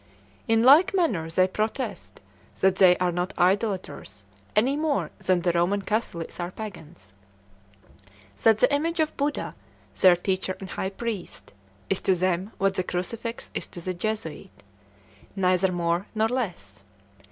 In like manner they protest that they are not idolaters, any more than the Roman Catholics are pagans; that the image of Buddha, their Teacher and High Priest, is to them what the crucifix is to the Jesuit; neither more nor less.